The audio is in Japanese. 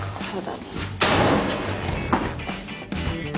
そうだね。